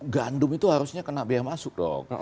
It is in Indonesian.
gandum itu harusnya kena biaya masuk dong